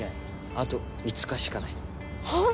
あと５日しかないはあ？